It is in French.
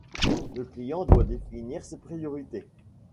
Le client doit définir ses priorités.